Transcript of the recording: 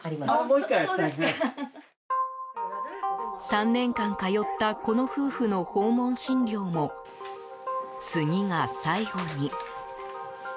３年間通った、この夫婦の訪問診療も次が最後に。